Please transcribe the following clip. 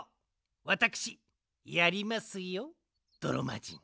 わたくしやりますよどろまじん。